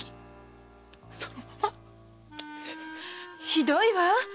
ひどいわ。